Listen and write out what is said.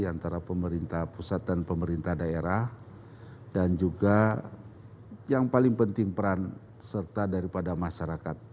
antara pemerintah pusat dan pemerintah daerah dan juga yang paling penting peran serta daripada masyarakat